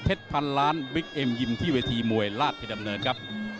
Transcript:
พันล้านบิ๊กเอ็มยิมที่เวทีมวยราชดำเนินครับ